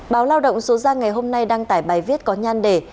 báo lao động số ra ngày hôm nay đăng tải bài viết có nhan đề